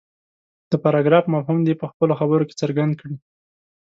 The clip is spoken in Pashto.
د پراګراف مفهوم دې په خپلو خبرو کې څرګند کړي.